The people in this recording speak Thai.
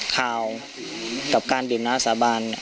ข่าวกับการดื่มน้าสาบาน